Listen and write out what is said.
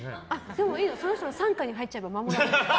でも、その人の傘下に入っちゃえば守られるから。